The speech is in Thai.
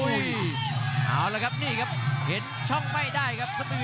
อย่าหลวนนะครับที่เตือนทางด้านยอดปรับศึกครับ